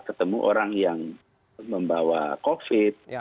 ketemu orang yang membawa covid